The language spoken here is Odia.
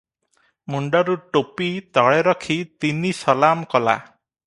ମୁଣ୍ଡରୁ ଟୋପି ତଳେ ରଖି ତିନି ସଲାମ କଲା ।